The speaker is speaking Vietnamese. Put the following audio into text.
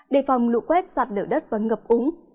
đề phòng lụ quét sạt nở đất và ngập úng